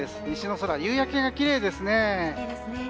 西の空、夕焼けがきれいですね。